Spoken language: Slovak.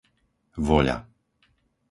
Voľa